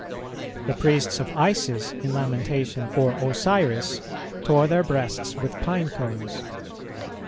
[215:1] The priests of Isis, in lamentation for Osiris, tore their breasts with pine cones.